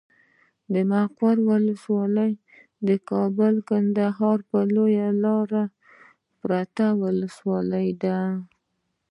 مقر ولسوالي د کابل کندهار پر لويه لاره پرته ولسوالي ده.